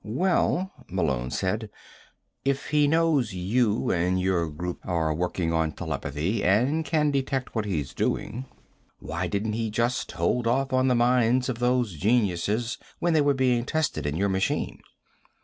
"Well," Malone said, "if he knows you and your group are working on telepathy and can detect what he's doing, why didn't he just hold off on the minds of those geniuses when they were being tested in your machine?"